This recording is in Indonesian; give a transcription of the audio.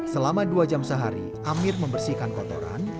selama dua jam sehari amir membersihkan kotoran